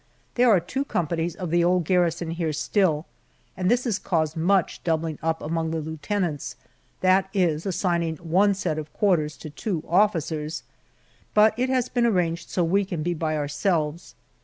There are two companies of the old garrison here still, and this has caused much doubling up among the lieutenants that is, assigning one set of quarters to two officers but it has been arranged so we can be by ourselves.